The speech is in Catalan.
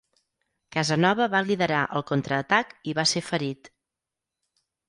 Casanova va liderar el contraatac i va ser ferit.